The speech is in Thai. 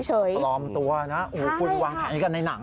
ซื้อล้อมตัวนะคุณวางแผนกันในหนัง